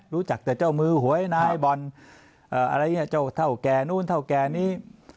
รู้จักแต่เจ้ามือหวยนายบ่อนอะไรอย่างนี้เจ้าเท่าแก่นู้นเท่าแก่นี้